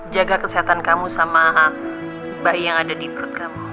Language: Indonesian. jaga kesehatan kamu sama bayi yang ada di perut kamu